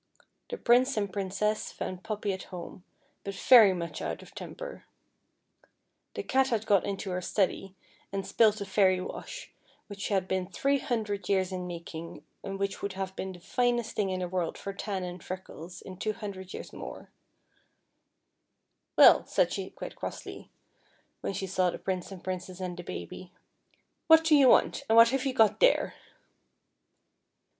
The Prince and Princess found Poppy at liome, but very much out of temper. The cat had got into her study, and spilt a fairy wash which she had been three hundred years in making, and which would have been the finest thing in the world for tan and freckles in two hundred years more. FEATHER HEAD. 221 " Well," said she quite crossly, when she saw the Prince and Princess and the Baby, " what do you want, and what have you got there